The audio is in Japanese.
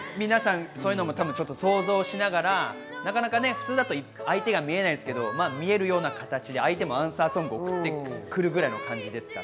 想像しながら、普通だと相手が見えないですけど見えるような形でアンサーソングを送ってくるぐらいの感じですから。